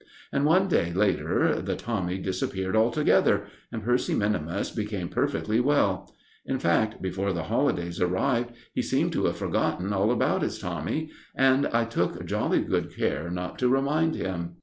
And one day later the Tommy disappeared altogether, and Percy minimus became perfectly well. In fact, before the holidays arrived he seemed to have forgotten all about his Tommy, and I took jolly good care not to remind him.